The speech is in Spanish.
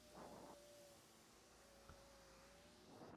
Diez años más tarde, una estructura de ladrillo la reemplazó.